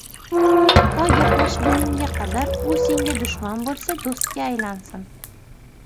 to gaplashguningga qadar u senga dushman bo‘lsa – do‘stga aylansin!